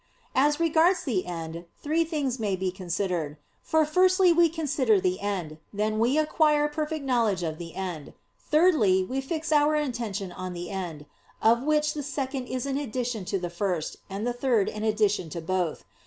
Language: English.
As regards the end, three things may be considered. For firstly we consider the end; then we acquire perfect knowledge of the end; thirdly, we fix our intention on the end; of which the second is an addition to the first, and the third an addition to both.